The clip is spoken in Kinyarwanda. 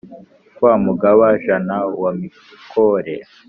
Wa Mugaba-jana wa Mikore,